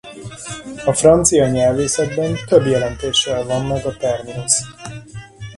A francia nyelvészetben több jelentéssel van meg a terminus.